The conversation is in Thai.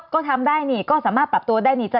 ก็ทำได้นี่ก็สามารถปรับตัวได้นี่จ้